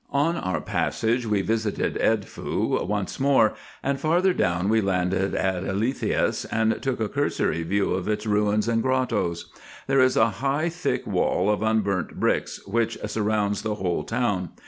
On our passage we visited Edfu once more ; and, farther down, we landed at Elethias, and took a cursory view of its ruins and grottoes. There is a high thick wall of unburnt bricks, which sur rounds the whole town.